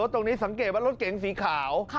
สังเกตว่ารถเก๋งสีขาว